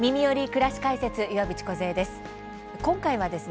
くらし解説」岩渕梢です。